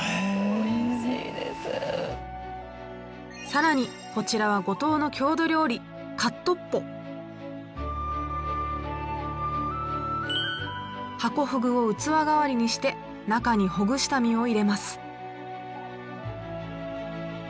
更にこちらは五島の郷土料理かっとっぽ。ハコフグを器代わりにして中にほぐした身を入れます。